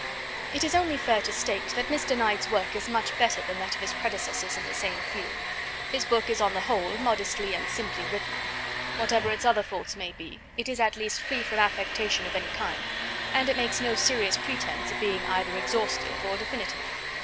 It is only fair to state that Mr. Knight's work is much better than that of his predecessors in the same field. His book is, on the whole, modestly and simply written; whatever its other faults may be, it is at least free from affectation of any kind; and it makes no serious pretence at being either exhaustive or definitive.